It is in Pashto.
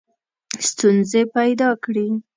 ستونزي پیدا کړي.